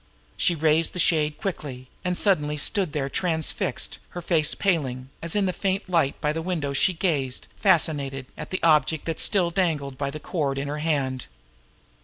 She raised the shade quickly and suddenly stood there as though transfixed, her face paling, as in the faint light by the window she gazed, fascinated, at the object that still dangled by a cord from her hand.